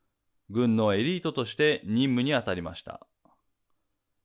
軍のエリートとして任務に当たりました。